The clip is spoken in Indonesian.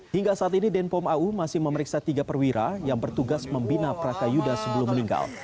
hingga saat ini denpom au masih memeriksa tiga perwira yang bertugas membina prakayuda sebelum meninggal